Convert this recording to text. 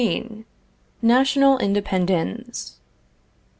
NATIONAL INDEPENDENCE.